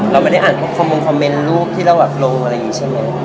เราไม่ได้อ่านพวกคอมมงคอมเมนต์รูปที่เราแบบลงอะไรอย่างนี้ใช่ไหม